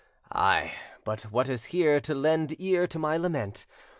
Ay, but what is here to lend Ear to my lament?